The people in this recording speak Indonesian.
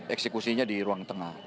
eksekusinya di ruang tengah